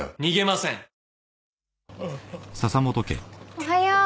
おはよう。